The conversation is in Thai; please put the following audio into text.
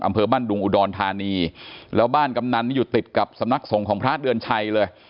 อำเภอบ้านดุงอุดรธานีแล้วบ้านกำนันนี่อยู่ติดกับสำนักสงฆ์ของพระเดือนชัยเลย